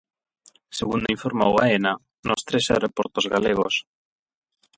Segundo informou Aena, nos tres aeroportos galegos...